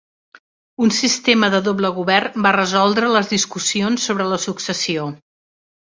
Un sistema de doble govern va resoldre les discussions sobre la successió.